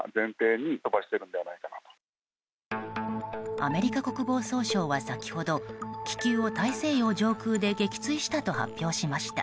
アメリカ国防総省は先ほど気球を大西洋上空で撃墜したと発表しました。